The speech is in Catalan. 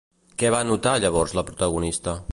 Què va notar llavors la protagonista?